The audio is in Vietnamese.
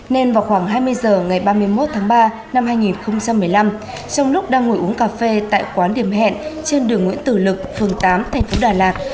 nên vào khoảng hai mươi h ngày ba mươi một tháng ba năm hai nghìn một mươi năm trong lúc đang ngồi uống cà phê tại quán điểm hẹn trên đường nguyễn tử lực phường tám thành phố đà lạt